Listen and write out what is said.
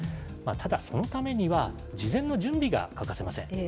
ただ、そのためには、事前の準備が欠かせません。